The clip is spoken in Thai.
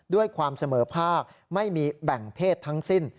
ด้วยความเสมอภาคไม่มีแบ่งเพศทั้งสิ้น